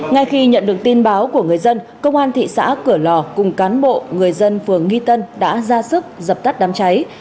ngay khi nhận được tin báo của người dân công an thị xã cửa lò cùng cán bộ người dân phường nghi tân đã ra sức dập tắt đám cháy